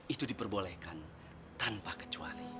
itu diperbolehkan tanpa kecuali